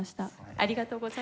ありがとうございます。